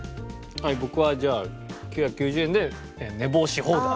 僕はじゃあ９９０円で寝坊し放題。